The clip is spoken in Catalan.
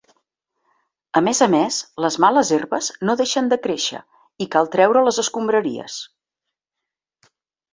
A més a més, les males herbes no deixen de créixer i cal treure les escombraries.